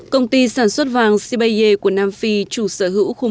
công ty sản xuất vàng sibaye của nam phi chủ sở hữu khu mỏ trọng